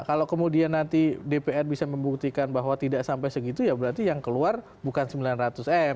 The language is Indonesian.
kalau kemudian nanti dpr bisa membuktikan bahwa tidak sampai segitu ya berarti yang keluar bukan sembilan ratus m